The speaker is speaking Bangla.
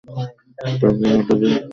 তবে আর দাবি করিতে পারি না বটে।